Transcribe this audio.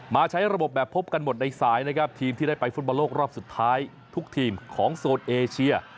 ใช้ระบบแบบพบกันหมดในสายนะครับทีมที่ได้ไปฟุตบอลโลกรอบสุดท้ายทุกทีมของโซนเอเชีย